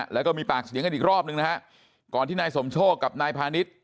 แล้วก็มีปากเสียงกันอีกรอบนึงนะฮะก่อนที่นายสมโชคกับนายพาณิชย์